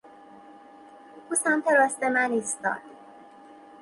او سمت راست من ایستاد.